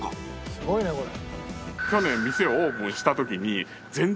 すごいねこれ。